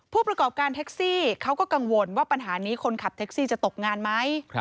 ผู้ประกอบการแท็กซี่เขาก็กังวลว่าปัญหานี้คนขับแท็กซี่จะตกงานไหม